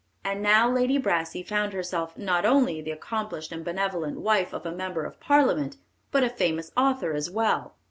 And now Lady Brassey found herself not only the accomplished and benevolent wife of a member of Parliament, but a famous author as well.